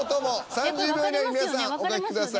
３０秒以内に皆さんお書きください。